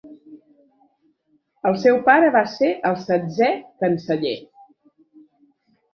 El seu pare va ser el setzè canceller.